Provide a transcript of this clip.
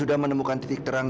ami semua ke sini